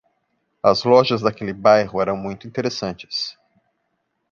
As lojas daquele bairro eram muito interessantes.